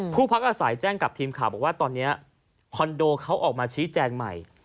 พักอาศัยแจ้งกับทีมข่าวบอกว่าตอนนี้คอนโดเขาออกมาชี้แจงใหม่